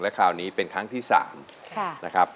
คราวนี้เป็นครั้งที่๓นะครับ